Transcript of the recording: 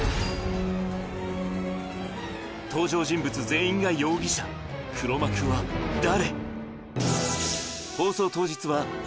登場人物全員が容疑者黒幕は誰？